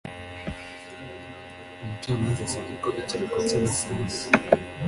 Umucamanza yasabye ko ikiruhuko cy’amasaha abiri.